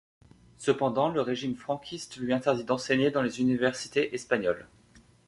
Cependant le régime franquiste lui interdit d’enseigner dans les universités espagnoles.